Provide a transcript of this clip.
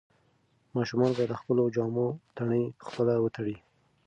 ماشومان باید د خپلو جامو تڼۍ پخپله وتړي.